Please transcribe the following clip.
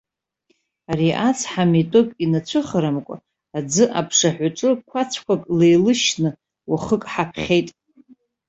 Ари ацҳа митәык инацәыхарамкәа, аӡы аԥшаҳәаҿы қәацәқәак леилышьны, уахык ҳаԥхьеит.